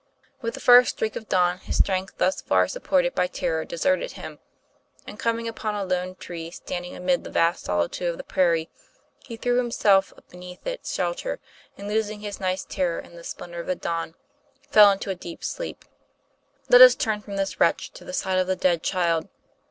With the first streak of dawn his strength, thus far supported by terror, deserted him; and coming upon a lone tree standing amid the vast sol itude of the prairie, he threw himself beneath its shelter, and losing his night's terror in the splendor of the dawn, fell into a deep sleep. Let us turn from this wretch to the side of the dead child.